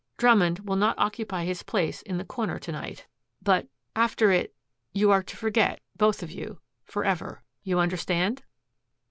Drummond will not occupy his place in the corner to night. But after it you are to forget both of you forever. You understand?"